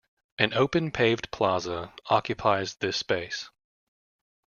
An open paved plaza occupies this space.